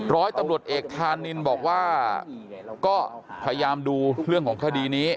ร้อยตำรวจเอกธานินบอกว่าก็พยายามดูเรื่องของคดีนี้